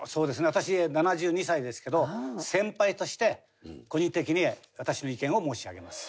私７２歳ですけど先輩として個人的に私の意見を申し上げます。